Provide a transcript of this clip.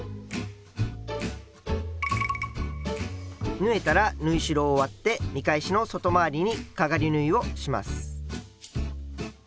縫えたら縫い代を割って見返しの外回りにかがり縫いをします。